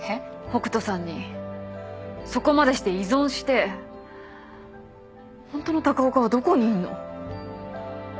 北斗さんにそこまでして依存してホントの高岡はどこにいんの？